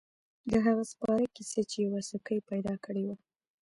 د هغه سپاره کیسه چې یوه سکه يې پیدا کړې وه.